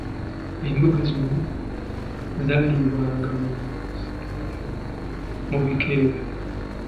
Embuga zino zaalibwanga mu nsikirano mu bika ebyo.